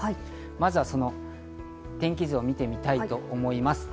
まずは、その天気図を見てみたいと思います。